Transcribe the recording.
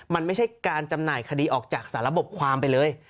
มันไม่ใช่การจำหน่ายคดีออกจากสารบความไปเลย